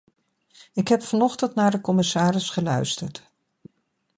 Ik heb vanochtend naar de commissaris geluisterd.